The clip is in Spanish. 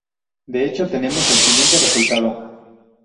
De hecho tenemos el siguiente resultado.